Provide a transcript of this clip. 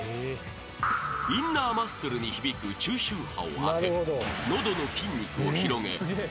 ［インナーマッスルに響く中周波を当て喉の筋肉を広げいびきをケア］